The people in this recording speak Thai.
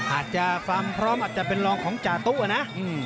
อาจจะความพร้อมอาจจะเป็นรองของจาตุนะ